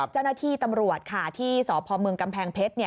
เจ้าหน้าที่ตำรวจค่ะที่สพเมืองกำแพงเพชร